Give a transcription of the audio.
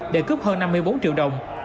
để cướp hơn năm mươi bốn triệu đồng